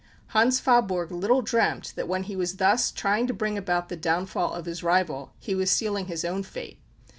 Hans Faaborg little dreamt that when he was thus trying to bring about the downfall of his rival he was sealing his own fate.